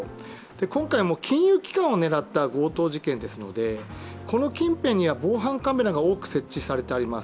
今回金融機関を狙った強盗事件ですのでこの近辺には防犯カメラが多く設置されてあります。